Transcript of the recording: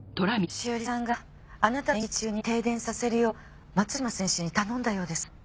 栞さんがあなたの演技中に停電させるよう松嶋選手に頼んだようです。